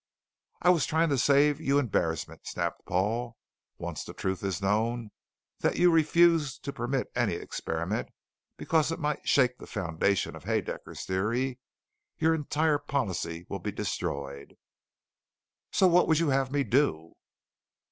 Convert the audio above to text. "I was trying to save you embarrassment," snapped Paul. "Once the truth is known, that you refused to permit any experiment because it might shake the foundations of Haedaecker's Theory, your entire policy will be destroyed." "So what would you have me do?"